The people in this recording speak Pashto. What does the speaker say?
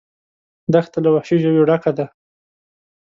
دښته له وحشي ژویو ډکه ده.